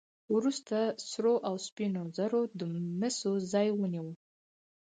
وروسته سرو او سپینو زرو د مسو ځای ونیو.